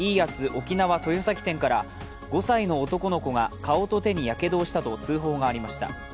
沖縄豊崎店から５歳の男の子が顔と手にやけどをしたと通報がありました。